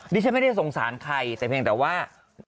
ดิฉันไม่ได้สงสารใครแต่เพียงแต่ว่า